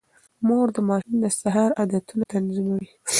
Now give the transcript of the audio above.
مور د ماشوم د سهار عادتونه تنظيموي.